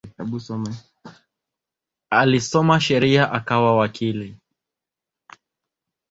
Alisoma sheria akawa wakili.